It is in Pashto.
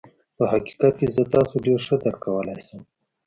په حقيقت کې زه تاسو ډېر ښه درک کولای شم.